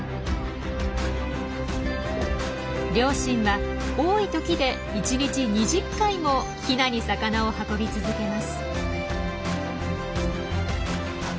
両親は多い時で１日２０回もヒナに魚を運び続けます。